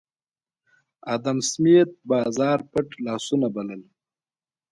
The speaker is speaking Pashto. ادم سمېت بازار پټ لاسونه بلل